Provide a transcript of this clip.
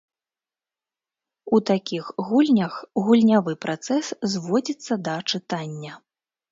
У такіх гульнях гульнявы працэс зводзіцца да чытання.